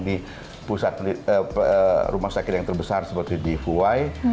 di rumah sakit yang terbesar seperti di puhai